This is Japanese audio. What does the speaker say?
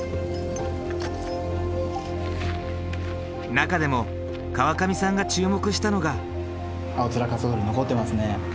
中でも川上さんが注目したのが。